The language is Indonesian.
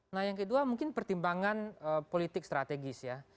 nah yang kedua mungkin pertimbangan politik strategis ya